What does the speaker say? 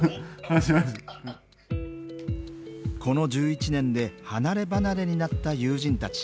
この１１年で離れ離れになった友人たち。